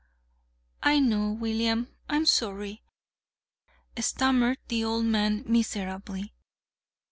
"I know, William, I'm sorry," stammered the old man miserably.